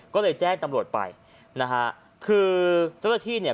ก็เลยแจ้งตำรวจไปนะฮะคือเจ้าหน้าที่เนี่ย